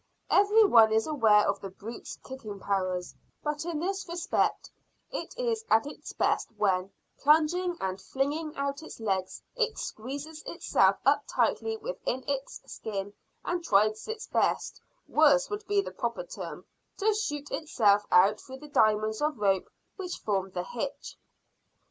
Every one is aware of the brute's kicking powers, but in this respect it is at its best when, plunging and flinging out its legs, it squeezes itself up tightly within its skin and tries its best worst would be the proper term to shoot itself out through the diamonds of rope which form the hitch.